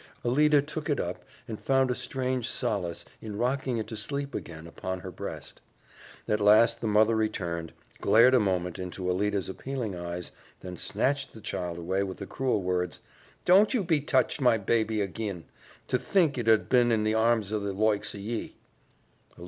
Alida took it up and found a strange solace in rocking it to sleep again upon her breast. At last the mother returned, glared a moment into Alida's appealing eyes, then snatched the child away with the cruel words, "Don't ye touch my baby ag'in! To think it ud been in the arms o' the loikes o'ye!"